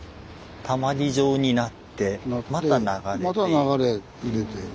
たまり状になってまた流れていく。